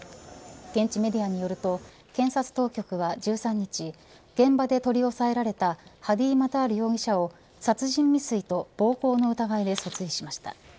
現地メディアによると検察当局は１３日現場で取り押さえられたハディ・マタール容疑者を殺人未遂と暴行の疑いで訴追しました。